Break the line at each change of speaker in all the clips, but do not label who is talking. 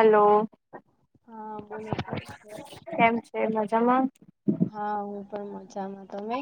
Hello
હા બોલો કેમ છો?
કેમ છે મજામાં
હા હું પણ મજામાં તમે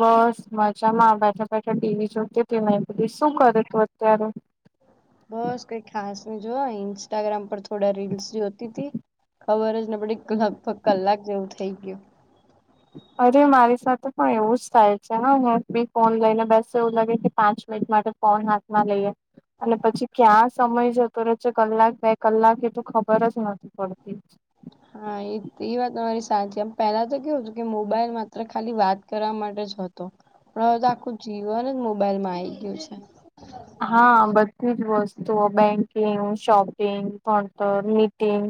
બસ મજામાં બેઠા બેઠા ટીવી જોતી હતી મે બધી શું કરે તું અત્યારે
બસ કોઈ ખાસ ન જો ન્સ્ટાગ્રામ પર થોડા રીલસ જે હોતી તથી ખબર જને પડે લગભગ કલાક જેવું થઈ ગયું
અરે મારી સાથે પણ એવું જ થાય છે ને હ બી ફોન લઈને બેસ એવું લાગે કે પાંચ મિનિટ માટે કોન હાથ માં લઈએ અને પછી ક્યાં સમય જતો રહે છે કલાક બે કલાક એ તો ખબર જ નથી પતી
હા એ એ વાત મારી સાચી આમ પહેલા તો કેવું હતું કે મોબાઈલ માત્ર ખાલી વાત કરવા માટે જ હતો હવે તો આખું જીવને મોબાઈલમાં આઈ ગયું છે
હા બધી જ વસ્તુઓ બેંકિંગ શોપિંગ કોન્ટ મીટિંગ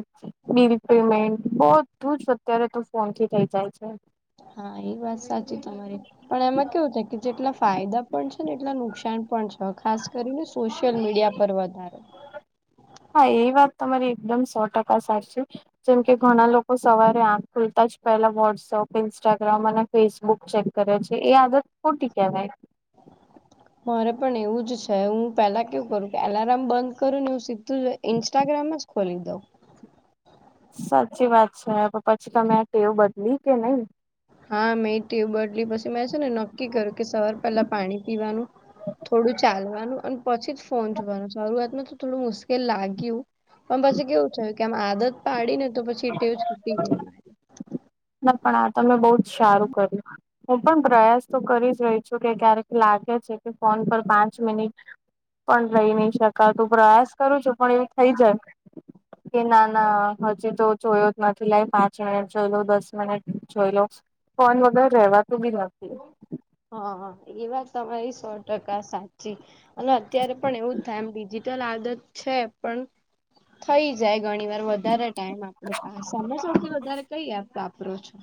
બિલ પેમેન્ટ બધું જ અત્યારે તો ફોનથી થઇ જાય છે
હા એ વાત સાચી તમારી પણ એમાં કેવું થ કે જેટલા ફાયદા પણ છે ને એટલા નુકસાન પણ છે ખાસ કરીને સોશિયલ મીડિયા પર વધારે
હા એ વાત તમારી એકદમ સો ટકા સાચી છે જેમ કે ઘણા લોકો સવારે આખ ખુલતા જ પેલા વોટ્સઅપ ઇન્સ્ટાગ્રામ અને ફેસબુક ચેક કર્યો છે એ આદત ખોટી કહેવાય
મારે પણ એવું જ છે હું પેલા કેવું કરું કે અલાર્મ બંધ કરું ને હું સીધું જ ઇન્સ્ટાગ્રામ જ ખોલી દઉ
સાચી વાત છે પછી તમે આ ટેવ બદલી કે નહી
હા મેં ટ્યુબ બડલી પછી મે છે ને નક્કી કર્યું કે સવાર પેલા પાણી પીવાનું થોડું ચાલવાનું અને પછી જ ફોન જોવાનું શરૂઆતમાં તો થોડું મુશ્કેલ લાગ્યું પણ પછી કેવું થયું કે આમ આદત પાડી ને તો પછી છૂટી ગઈ મારી
ના પણ આ તમે બહુ જ સારું કર્યું હું પણ પ્રયાસ તો કરી જ રહી છું કે ક્યારેક લાગે છે કે ફોન પર પાંચ મિનિટ પણ રહી નઈ શક તું પ્રયાસ કરું છું પણ એવું થઇ જાય કે ના ના હજી તો જોયો જ નથી લાગ પાંચ મિનિટ જલો બસ મને જોઈ લો ફોન વગર રેવાતું બી નથી
હા એ વાત તમારી સો ટકા સાચી અને અત્યારે પણ એવું જ થાય એમ ડિજિટલ આદત છે પણ થઈ જાય ગણી વાર વધારે ટાઈમ આપડો પાસ અનેમે સૌથી વધારે કઈ એપ વાપરો રો છો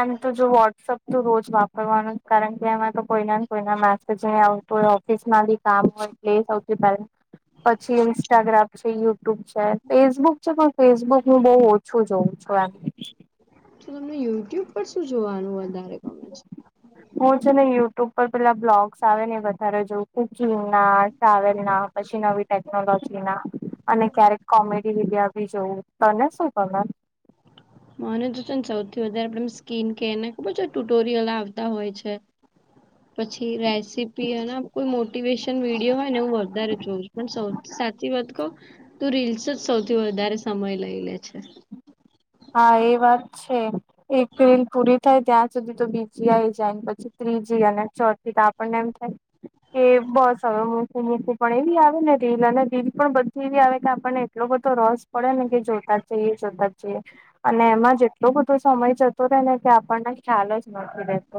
એમ તો જો વોટ્સઅપ તો રોજ વાપરવાનું કારણ કે એમાં તો કોઈના ને કોઈના મેસે જે ઓફિસમાં કામ હોય એટલે સૌથી પહેલા પછી ઇન્સ્ટાગ્રામ છે યુટ્યુબ છે ફેસબુક છે પણ ફેસબુકું બહુ ઓછું જોઉં છું એમ
તો તમને યુટ્યુબ પર શું જોવાનું વધારે કોમેન્ટ
હું છે ને યુટ્યુબ પર પેલા બ્લોગ્સ આવે ને વધારે જોઉું કુકિંગ ના ટ્રાવેલ ના પછી નવી ટેકનોલોજી ના અને ક્યારેક કોમેડી વિીડિયા બી જોવું તને શું ગમે
મનજ છેને સૌથી વધારે આપડે સ્કીન કેને ખૂબ જ ટુટોરિયલ આવતા હોય છે પછી રેસીપી અને કોઈ મોટિવેશન વિડીયો હું વધારે જોઉં છું પણૌ સાચી વાત કહુ તું રીલ્સ જ સૌથી વધારે સમય લઈ લે છે
હા એ વાત છે એકિલ પૂરી થાય ત્યાં સુધી તો બીજી આવી જાય પછી ત્રીજી અને ચોથી તો આપણને એમ થાય કે બસ હવે મુકું મુકું પણ એવી આવે ને રીલ અને રીલ પણ બધી એવી આવે કે આપણને એટલો બધો રસ પડે ને કે જોતા જઈએ જોતા જ જઈએ અને એમાં જેટલો બધો સમય જતો રહેે ને તે આપણને ખ્યાલ જ નથી રેતો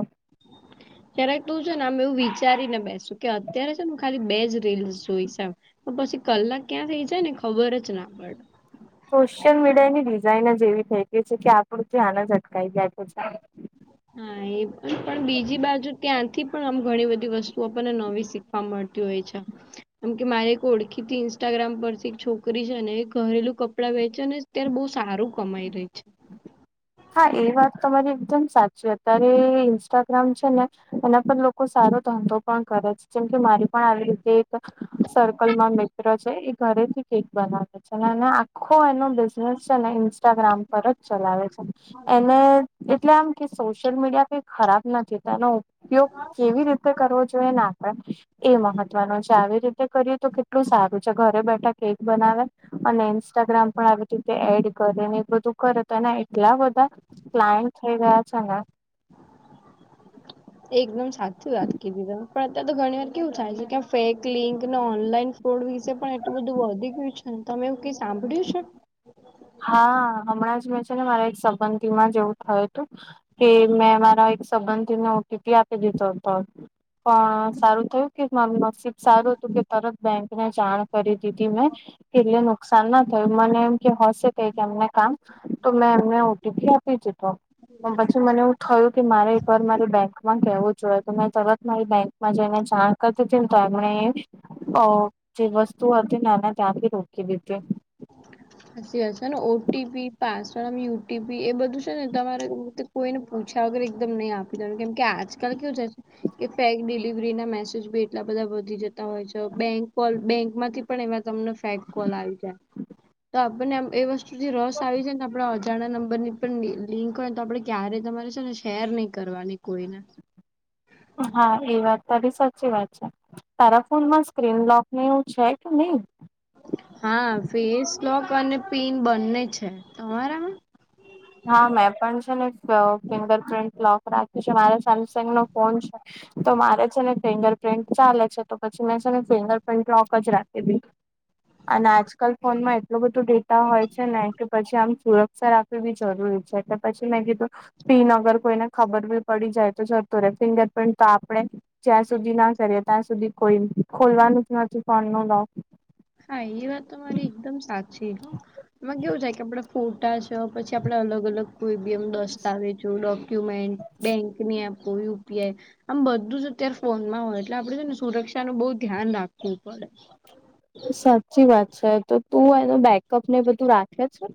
ત્યારે તું છે ને આમ એવું વિચારીને બેસુ કે અત્યારે છે ખાલી બે જ રીલ્સ જોઈશ એમ તો પછી કલાક ક્યાં થઇ જાય ને ખબર જ ના પડે.
સોશિયલ મીડિયા ની ડિઝાઇન જ એવી થઈ ગઈ છે કે આપડે [unintelligible]
હા એ પણ પણ બીજી બાજુ ત્યાંથી પણ આમ ઘણી બધી વસ્તુ આપણને નવી શીખ વા મળતી હોય છે. કેમ કે મારે એક ઓળખી તી ઇન્સ્ટાગ્રામ પરથી એક છોકરી છે ને એક ઘરેલું કપડા વેચે ને અત્યારે બો સારું કમાઈ રહી છે.
હા એ વાત તમારી એકદમ સાચી અત્યારે ઇન્સ્ટાગ્રામ છે ને એના પર લોકો સારો ધંધો પણ કરે છે જેમ કે મારી પણ આવી રીતે સર્કલ માં મિત્ર જ એ ઘરેથી કેક બનાવે છે આખો એનો બિઝનેસ છે ને ઇન્સ્ટાગ્રામ પર ચલાવે છે એને એટલે આમ કે સોશિયલ મીડિયા કઈ ખરાબ નથી તેનો ઉપયોગ કેવી રીતે કરવો જોઈએ ના આપડે એ મહત્વનો છે આવી રીતે કરીએ તો એટલું સારું છે ઘરે બેઠા કેક બનાવે અને ઇન્સ્ટાગ્રામ પણ આવે એડ કરી ને એ બધું કરે તો એને એટલા બધા ક્લાયન્ટ થઈ ગયા છે ને [inaudible]
એકદમ સાચી વાત કીધી તમેં પણ અત્યારે તો ઘણી વાર કેવું થાય છે કે ફેક લિંક નો ઓનલાઈન વિસે પણ એટલું બધું વધી ગયું છે ને તમે એવું કઈ સાંભળ્યું છે?
હા હમણાં જ મેં છે ને મારા એક સંબંધીમાં જ એવું થયું હતું કે મેં મારા એક સંબંધને ઓટીપી આપી દીધો હતો. પણ સારું થયું કે મા નસીબ સારું હતું કે તરત બેંકને જાણ કરી મેં એટલે નુકસાન ના થયું મને એમ કે હશે એમને કામ તો મેં એમને ઓટીપી આપી દીધો પછી મને એવું થયું કે મારે એક વાર મારે બેંકમાં કેવું જોઈએ તો મેં તરત મારી બેંકમાં જઈને જાણ કર દીધી ને તો એમણે અ જે વસ્તુ અ હતી નાના ત્યાં થી રોકી દીધી
હાચી વાત છે ને ઓટીપી પાસવર્ડમ યુટીપી એ બધું છે ને તમારે કોઈને પૂછ્યા વગર એકદમ નહીં આપી દેનું કેમ કે આજકાલ કેવું છે કે ફેગ ડિલિવરી ના મેસેજી એટલા બધા વધી જતા હોય છે બેંક કોલ બેંક માંથી પણ એમાં તમને ફેંક કોલ આવી જાય તો આપણને આમ એ વસ્તુથી રસ આવી જાય ને આપણા અજાણ નંબરની પણ લિંક હોય ને તો આપણે ક્યારે તમારે છે ને શેર નહી કરવાની કોઈને
હા એ વાત તારી સાચી વાત છે. તારા ફોન માં સ્ક્રીન લોકને એવું છે કે નહી
હા ફેસ લોક અને પીન બંને છે તમારામાં
હા મેં પણ છે ને ફિંગર પ્રિન્ટ લોક રાખ્યું છે મારે સેમસંગ નો ફોન છે તો મારે છે ને ફિંગર પ્રિન્ટ ચાલે છે તો પછી મેં છે ને ફિંગર પ્રિન્ટ લોક જ રાખી દીધૂ અને આજકાલ ફોનમાં એટલું બધું ડેટા હોય છે ને કે પછી આમ સુરક્ષા રાખવી બી જરૂરી છે એટલે પછી મેં કીધુ પીન અગર કોઈને ખબર બી પડી જાય તો જતો રે ફિંગરપ્રિન્ટ તો આપણે જ્યાં સુધી ના કરે ત્યાં સુધી કોઈ ખોલવાનું જ નથી ફોન નું લોક
હા એ વાત તો મારી એકદમ સાચી એમાં કેવું થાય કે આપડે ફોટા જ તો પછી આપણે અલગ અલગ કોઈ ભી એમ દસ્તાવેજો ડોક્યુમેન્ટ બેંક ની અપોયુ આમ બધું જ અત્યારે ફોનમાં હોય એટલે આપડે છે ને સુરક્ષાનું બો ધ્યાન રાખવું પડે.
સાચી વાત છે તો તું એનો બેકઅપ ને બધું રાખે છે.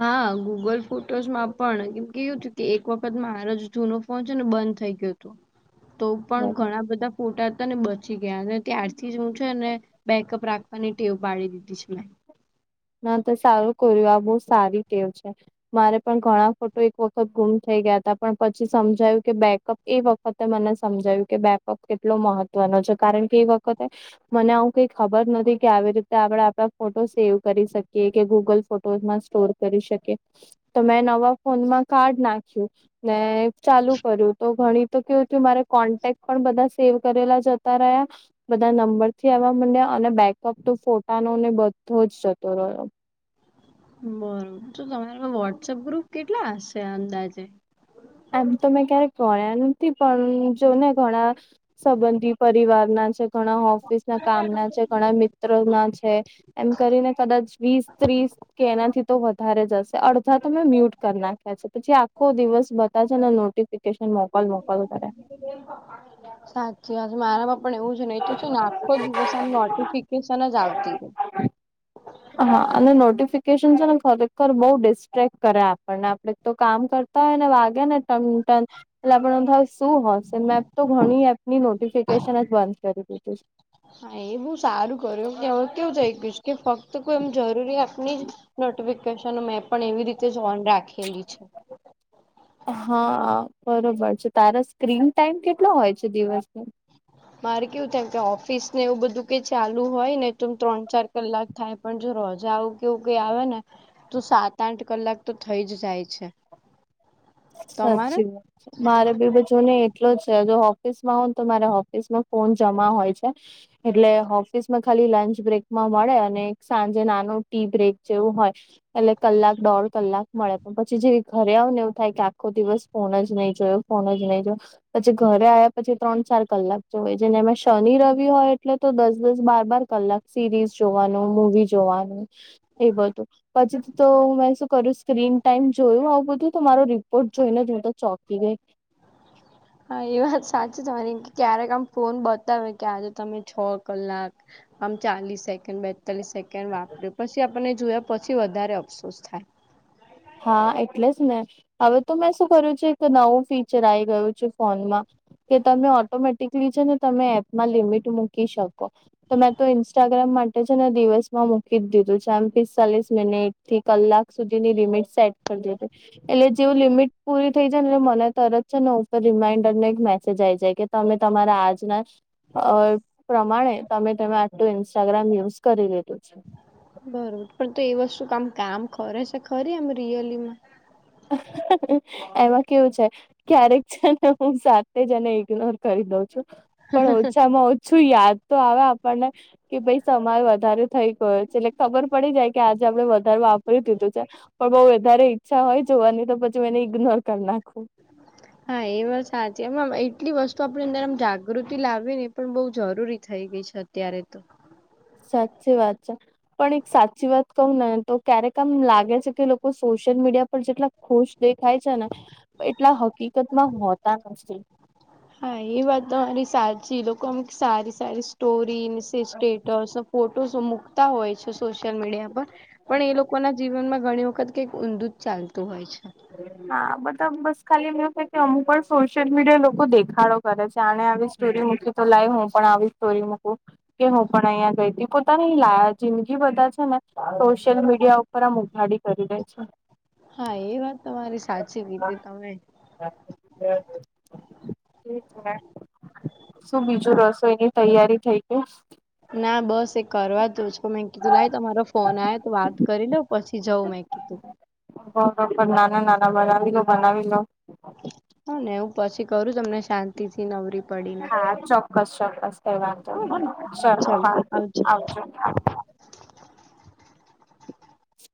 હા ગૂગલ ફોટોસમાં પણ એમ કયું હતું કે એક વખત મારા જૂનો ફોન છે ને બંધ થઈ ગયો તો પણ
છે
ઘણા બધા ફોટા હતા ને બચી ગયા અને ત્યારથી હું છે ને બેકઅપ રાખવાની ટેવ પાડી દીધી છે મેં
ના તો સારું કર્યું આ બહુ સારી ટેવ છે. મારે પણ ઘણા ફોટો એક વખત ગુમ થઈ ગયા હતા પણ પછી સમજાયું કે બેકઅપ એ વખતે મને સમજાય્યું કે બેકઅપ કેટલો મહત્વનો છે કારણ કે એ વખતે મને આવું કઈ ખબર નથી કે આવી રીતે આપડે આપડા ફોટો સેવ કરી શકીએ કે ગૂગલ ફોટોમાં સ્ટોર કરી શકીએ તો મેં નવા ફોનમાં કાર્ડ નાખ્યું ને ચાલુ કર્યું તો ઘણી તો કેવું તય મારે કોન્ટેક પણ બધા સેવ કરેલા જતા રહ્યા બધા નંબર થી આવવા માંડ્યા અને બેકઅપ તો ફોટાનો ને બધો જ જતો રહ્યો
બરોબર તો તમારા વોટ્સઅપ ગ્રુપ કેટલા હશે અંદાજે
હજી તો મેમે ક્યારે કર્યા ન‌ઇ પણ જો ને ઘણા સંબંધી પરિવારના છે. ઘણા ઓફિસ ના કામ ના છે ઘણા મિત્રો ના છે. એમ કરીને કદાચ વીસ ત્રીસ કે એનાથી તો વધારે જશે અડધા તમે મ્યુટ કરી નાખ્યા છે પછી આખો દિવસ બતા છે ને નોટિસ
સાચી વાત મારામાં પણ એવું જ હી એ તો છે ને આખો દિવસ આમ નોટિફિકેશન જ આવતી રે
હા અને નોટિફિકેશન છે. ને ખરેખર બઉ ડિસ્ટ્રેક્ટ કરે આપણને આપડ તો કામ કર તા હોય ને વાગે ને ટન ટન એટલે આપણે થ શું હોશે મેં તો ઘણી એપની નોટિફિકેશન જ બંધ કરી દીધી.
હા એ બહુ સારું કર્યું કે કેવું થઈ ગય કે ફક્ત કોઈ એમ જરૂરિયાત. ની નોટિફિકેશન મે પણ એવી રીતે જ ઓન રાખેલી છે.
હા બરોબર છે. તારા સ્ક્રીન ટાઈમ કેટલો હોય છે. દિવસનો.
મારે કેવું થાય કે ઓફિસ ને એવું બધું ક ચાલુ હોય ને ત્રણ ચાર કલાક. થાય પણ જો રોજા આવું કેવું કઈ આવે ને તો સાત આઠ કલાક તો થઈ જ જાય છે. તમારે?
સાચી વાત છે. મારે બી બચો ને એટલો છે. જો ઓફિસમાં હો ને તો મારે ઓફિસમાં ફોન જમા હોય છે. એટલે ઓફિસ ખાલી લંચ બ્રેક માં મળે અને સાંજે નાનું ટી બ્રેક જેવું હોય. એટલે કલાક દોઢ કલાક મળે પણ પછી જે ઘરે આઉને. થાય કે આખો દિવસ ફોન જ નહી જોયો ફોન જ નહી જોયો. પછી ઘરે આવ્યા પછી ત્રણ ચાર કલાક હોએ છેને એમાં શનિ રવિ હોય એટલે તો દસ દસ બાર બાર કલાક. સિરીઝ જોવાનું મૂવી જોવાનું. એ બધું પછી તો મેં શું કર્યું સ્ક્રીન ટાઈમ જોયું આવું બધું. તો મારો રિપોર્ટ જોઈને જો તો ચોકી ગઈ.
હા એ વાત સાચી તમારી કે ક્યારેક આમ ફોન બતાવે કે આજે તમે છ કલાક. આમ ચાલીસ સેકન્ડ પેતાલીસ સેકન્ડ વાપર્યું પછી આપણને જોયા પછી વધારે અફસોસ થાય.
હા એટલે જ ને હવે તો મેં શું કર્યું છે, એક નવું ફીચર આ ગયું છે ફોનમાં. કે તમે ઓટોમેટિકલી છે. ને તમે એપમાં લિમિટ મૂકી શકો. તો મેં તો ઇન્સ્ટાગ્રામ મા ને દિવસમાં મૂકી દીધું છે. આમ પિસ્તાલીસ મિનિટ થી કલાક સુધીની લિમિટ. સેટ કરી દે એટલે જેવું લિમિટ પૂરી થઈ જાયને એટલે મને તરત છે. ને ઉપર રિમાઈન્ડર ને એક મેસેજ આઈ જાય કે તમે તમારા આજના. અ પ્રમાણે તમે તમે આટલું ઇન્સ્ટાગ્રામ યુઝ કરી લીધું
બરોબર પણ તો એ વસ્તુ કામ કામ કરરેે છે. ખરી એમ રિયલીમાં.
એમાં કેવું છે. ક્યારેક છે ને હું સાથે જ એને ઈગ્નોર કરી દઉં છું. પણ ઓછામાં. છું યાદ તો આવે આપણને. કે ભાઈ તમારે વધારે થઈ ગયો છે એટલે ખબર પડી જાય કે આજે આપડણે વધારે વાપરી દીધું છે. પણ બઉ વધારે ઈચ્છા હોય જોવાની તો પછી મેને ઈગ્નોર કરી નાખું.
હા એ વાત સાચી એમાં એટલી વસ્તુ આપણી અંદર આમ જાગૃતિ લાવવી ને એ પણ બહુ જરૂરી થઈ ગઈ છે. અત્યારે તો.
સાચી વાત છે. પણ એક સાચી વાત કહું ને તો ક્યારેક આમ લાગે છે કે લોકો સોશિયલ મીડિયા પર જેટલા ખુશ દેખાય છે, ને એટલા હકીકત માં હોતા નથી.
હા એ વાત તો તમારી સાચી લોકો અમે સારી સારી. સ્ટોરી સ્ટેટસ ફોટોસ મૂકતા હોય છે. સોશિયલ મીડિયા પર પણ એ લોકોના જીવનમાં ઘણી વખત કઈક ઊંધુ જ ચાલતું હોય છે.
હા બધા બસ ખાલી એ એવું થાય કે અમુ પણ સોશિયલ મીડિયા લોકો દેખાડો કરે છે. જાણે આવી સ્ટોરી મૂકી તો લાઈવ હું પણ આવી સ્ટોરી મૂકું કે હું પણ અહિયાં ગઈ હતી પોતાની લા જિંદગી બધા છે. ને સોશિયલ મીડિયા ઉપર આમ ઉઘાડી કરી દે છે.
હા એ વાત તમારી સા
હા. શું બીજું રસોઈની તૈયારી થઇ ગઈ?
ના બસ એ કરવા તું જ મેં કીધું લાવ તમારો ફોન આવ તો વાત કરી લઉ પછી જઉં મેં કીધું
ર નાના નાના બનાવી લો બનાવી લો
હ ને એવું પછી કરું તમને શાંત થી નવરી પડીને
હા ચોક્કસ ચોક્કસ કઈ વાંધો નહી
હને
ચલો
ચાલો
હા
આવજો